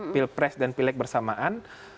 pilpres dan pilek bersamaan